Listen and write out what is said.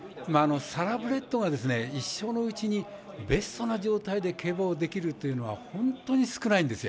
サラブレッドが一生のうちにベストの状態で競馬ができるというのは本当に少ないんですよ。